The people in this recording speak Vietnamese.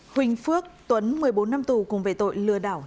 huỳnh phước tuấn một mươi bốn năm tù cùng về tội lừa đảo